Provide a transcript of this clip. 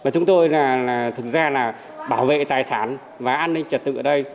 chúng tôi thực ra là bảo vệ tài sản và an ninh trật tự ở đây